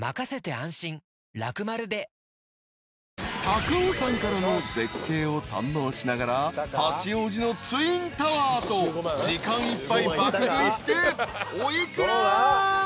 ［高尾山からの絶景を堪能しながら八王子のツインタワーと時間いっぱい爆食いしてお幾ら？］